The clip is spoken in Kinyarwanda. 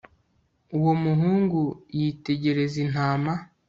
Uwo muhungu yitegereza intama